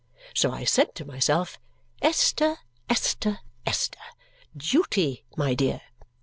So I said to myself, "Esther, Esther, Esther! Duty, my dear!"